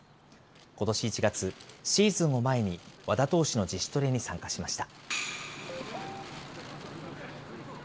ことし１月、シーズンを前に、和田投手の自主トレに参加しました。